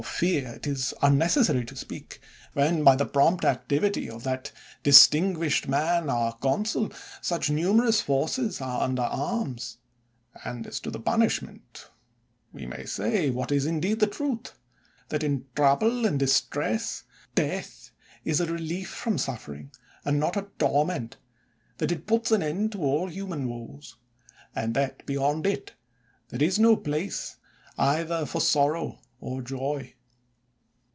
Of fear it is unnecessary to speak, when, by the prompt activity of that distinguished mafi our consul, such numerous forces are under arms ; and as to the punishment we may say, what is indeed the truth, that in trouble and distress, death is a relief from suffer ing, and not a torment ; that it puts an end to all human woes; and that, beyond it, there is no place either for sorrow or joy.